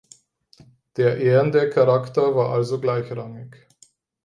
Der ehrende Charakter war also gleichrangig.